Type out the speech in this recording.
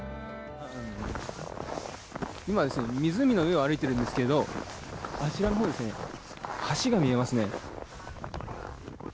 今、湖の上を歩いているんですがあちらのほうに橋が見えますね。